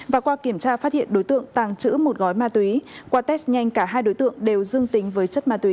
và qua kiểm tra phát hiện đối tượng tàng trữ một gói ma túy qua test nhanh cả hai đối tượng đều dương tính với chất ma túy